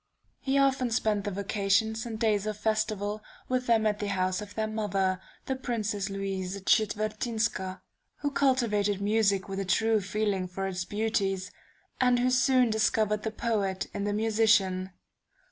He often spent the vacations and days of festival with them at the house of their mother, the Princess Louise Czetwertynska, who cultivated music with a true feeling for its beauties, and who soon discovered the poet in the musician.